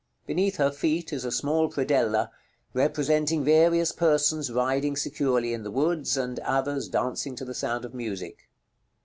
Beneath her feet is a small predella, representing various persons riding securely in the woods, and others dancing to the sound of music.